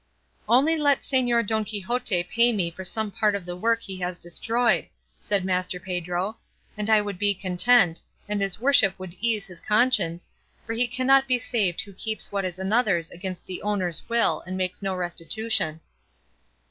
"Only let Señor Don Quixote pay me for some part of the work he has destroyed," said Master Pedro, "and I would be content, and his worship would ease his conscience, for he cannot be saved who keeps what is another's against the owner's will, and makes no restitution."